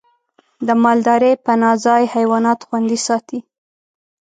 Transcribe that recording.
د مالدارۍ پناه ځای حیوانات خوندي ساتي.